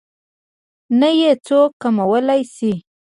نه يې څوک کمولی شي.